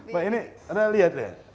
mbak ini anda lihat ya